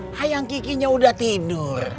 eh ayang kikinya udah tidur